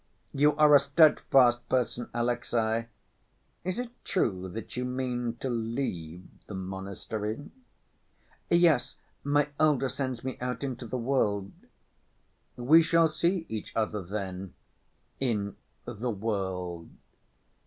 You are a steadfast person, Alexey. Is it true that you mean to leave the monastery?" "Yes, my elder sends me out into the world." "We shall see each other then in the world.